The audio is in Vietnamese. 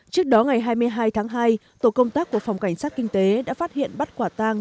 trước đó ngày hai mươi hai tháng hai tổ công tác của phòng cảnh sát kinh tế đã phát hiện bắt quả tang